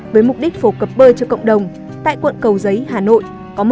với mục đích phổ cập bơi cho cộng đồng tại quận cầu giấy hà nội